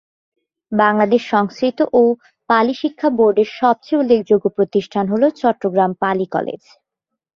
বাংলাদেশ সংস্কৃত ও পালি শিক্ষা বোর্ডের সবচেয়ে উল্লেখযোগ্য প্রতিষ্ঠান হলো চট্টগ্রাম পালি কলেজ।